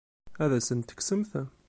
Ad asent-t-tekksemt?